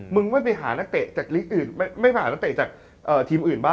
มึงไม่มาหานักเตะจากทีมอื่น